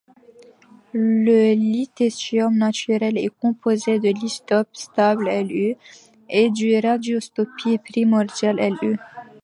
Le lutécium naturel est composé de l'isotope stable Lu et du radioisotope primordial Lu.